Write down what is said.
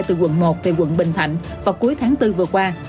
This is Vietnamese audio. từ quận một về quận bình thạnh vào cuối tháng bốn vừa qua